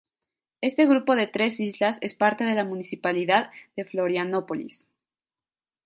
Este grupo de tres islas es parte de la municipalidad de Florianópolis.